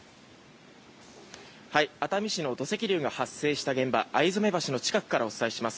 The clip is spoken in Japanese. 熱海市の土石流が発生した現場逢初橋の近くからお伝えします。